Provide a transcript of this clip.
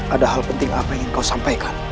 ada hal penting apa yang ingin kau sampaikan